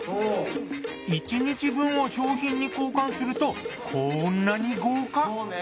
一日分を商品に交換するとこんなに豪華。